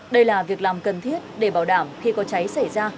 đây là việc làm cần thiết để bảo đảm khi có cháy xảy ra